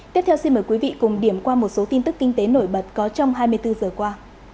tiếp theo xin mời quý vị cùng điểm qua một số tin tức kinh tế nổi bật có trong hai mươi bốn giờ qua